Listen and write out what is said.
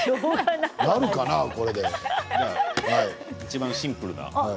いちばんシンプルな。